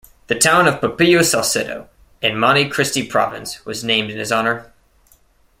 The town of Pepillo Salcedo, in Monte Cristi province, was named in his honour.